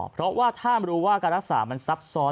เพราะว่าถ้ารู้ว่าการรักษามันซับซ้อน